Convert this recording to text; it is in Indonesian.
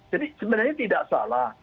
jadi sebenarnya tidak salah